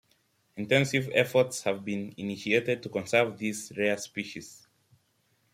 Intensive efforts have been initiated to conserve this rare species.